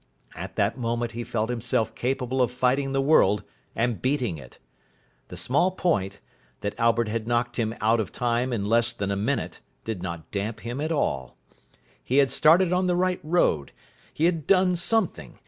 At that moment he felt himself capable of fighting the world and beating it. The small point, that Albert had knocked him out of time in less than a minute, did not damp him at all. He had started on the right road. He had done something.